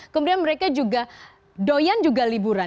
kemudian mereka juga doyan juga liburan